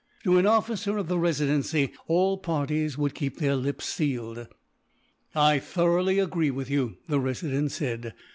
To an officer of the Residency, all parties would keep their lips sealed." "I thoroughly agree with you," the Resident said.